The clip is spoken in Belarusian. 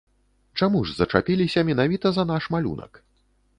Чаму ж зачапіліся менавіта за наш малюнак?